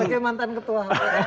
sebagai mantan ketua